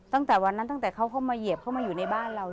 ตั้งแต่วันนั้นตั้งแต่เขาเข้ามาเหยียบเข้ามาอยู่ในบ้านเรา